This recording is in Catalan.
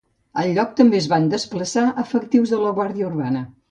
Al lloc també es van desplaçar efectius de la Guàrdia Urbana.